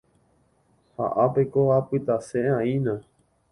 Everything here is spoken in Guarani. Ha ápeko apytase'aína